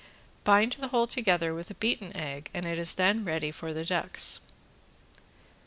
Bind the whole together with a beaten egg and it is then ready for the ducks.